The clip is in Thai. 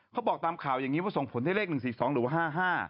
เขาบอกตามข่าวอย่างนี้ว่าส่งผลให้เลข๑๔๒หรือว่า๕๕